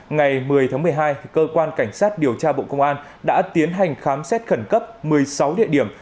ngày một mươi tháng một mươi hai cơ quan cảnh sát điều tra bộ công an đã tiến hành khám xét khẩn cấp một mươi sáu địa điểm